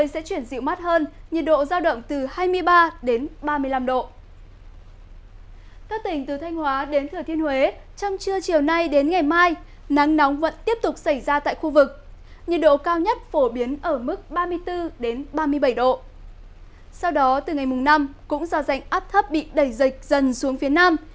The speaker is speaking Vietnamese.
sau đó từ ngày mùng năm cũng do rành áp thấp bị đẩy dịch dần xuống phía nam